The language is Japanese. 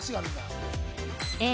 Ａ